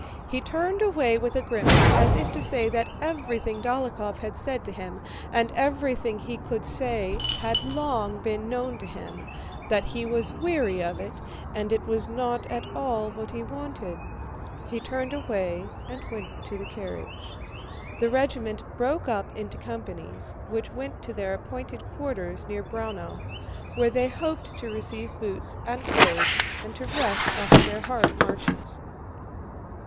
He turned away with a grimace as if to say that everything Dólokhov had said to him and everything he could say had long been known to him, that he was weary of it and it was not at all what he wanted. He turned away and went to the carriage. The regiment broke up into companies, which went to their appointed quarters near Braunau, where they hoped to receive boots and clothes and to rest after their hard marches.